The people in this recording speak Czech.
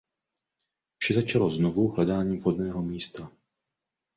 Vše začalo znovu hledáním vhodného místa.